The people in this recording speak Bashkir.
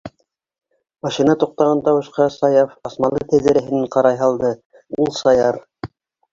Машина туҡтаған тауышҡа Саяф асмалы тәҙрәһенән ҡарай һалды: ул, Саяр.